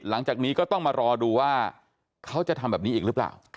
หลังจากนี้ก็ต้องมารอดูว่าเขาจะทำแบบนี้อีกหรือเปล่า